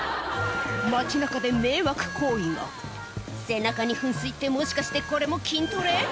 街中で迷惑行為が背中に噴水ってもしかしてこれも筋トレ？